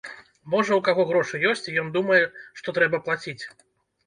Можа, у каго грошы ёсць, і ён думае, што трэба плаціць.